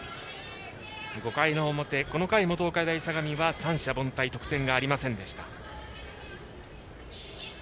５回の表、この回も東海大相模は三者凡退、得点ありませんでした。